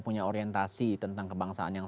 punya orientasi tentang kebangsaan yang